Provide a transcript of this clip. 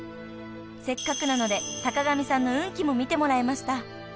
［せっかくなので坂上さんの運気も見てもらいました］